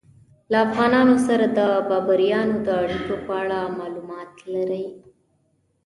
له افغانانو سره د بابریانو د اړیکو په اړه معلومات لرئ؟